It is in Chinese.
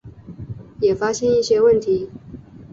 也发现一些问题